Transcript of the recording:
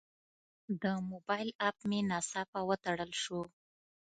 د موبایل اپ مې ناڅاپه وتړل شو.